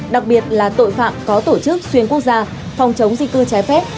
đặc biệt là tội phạm có tổ chức xuyên quốc gia phòng chống di cư trái phép